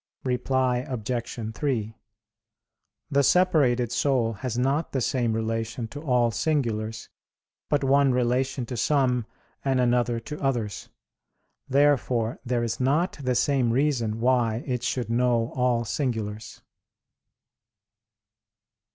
Reply Obj. 3: The separated soul has not the same relation to all singulars, but one relation to some, and another to others. Therefore there is not the same reason why it should know all singulars.